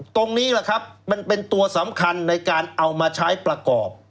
ตรงนี้แหละครับมันเป็นตัวสำคัญในการเอามาใช้ประกอบ